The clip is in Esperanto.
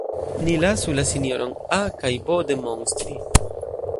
Ni lasu la sinjorojn A kaj B demonstri.